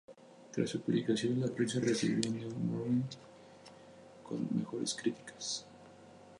Tras su publicación, la prensa recibió "New Morning" con mejores críticas.